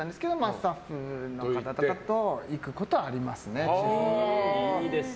スタッフの方とかと行くことはありますね。